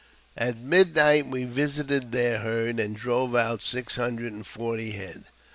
At midnight we visited their herd, and drove out six hundrec and forty head.